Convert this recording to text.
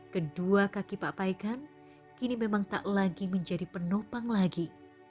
kedua kaki pak paikan kini memang tak lagi menjadi penopang lagi